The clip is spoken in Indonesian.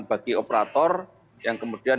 bagi operator yang kemudian